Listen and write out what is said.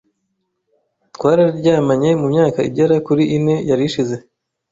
twararyamanye mu myaka igera kuri ine yari ishize.